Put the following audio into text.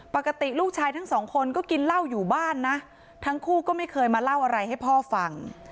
ปกติลูกชายทั้งสองคนก็กินเหล้าอยู่บ้านนะทั้งคู่ก็ไม่เคยมาเล่าอะไรให้พ่อฟัง